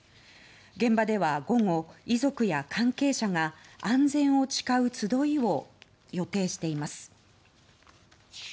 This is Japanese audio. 現場では午後、遺族や関係者が安全を誓う集いを予定しています。